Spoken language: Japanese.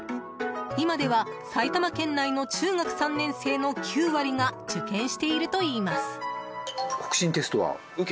今では、埼玉県内の中学３年生の９割が受験しているといいます。